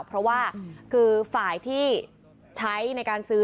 เพราะว่าคือฝ่ายที่ใช้ในการซื้อ